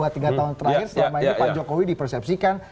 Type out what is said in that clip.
dua tiga tahun terakhir selama ini pak jokowi dipersepsikan